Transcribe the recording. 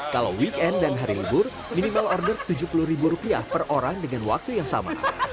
kalau weekend dan hari libur minimal order tujuh puluh ribu rupiah per orang dengan waktu yang sama